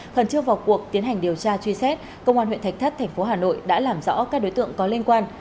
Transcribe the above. khẩn trương vào cuộc tiến hành điều tra truy xét công an huyện thạch thất thành phố hà nội đã làm rõ các đối tượng có liên quan